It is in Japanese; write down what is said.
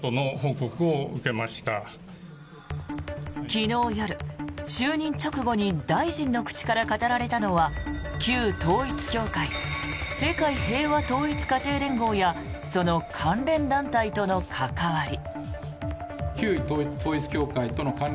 昨日夜、就任直後に大臣の口から語られたのは旧統一教会世界平和統一家庭連合やその関連団体との関わり。